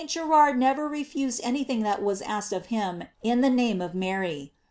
Ger ard never refused anything that was asked him in the name of Mary.